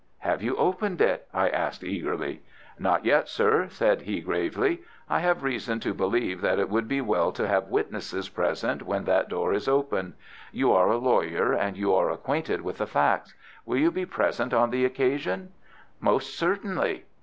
"Have you opened it?" I asked, eagerly. "Not yet, sir," said he, gravely. "I have reason to believe that it would be well to have witnesses present when that door is opened. You are a lawyer, and you are acquainted with the facts. Will you be present on the occasion?" "Most certainly."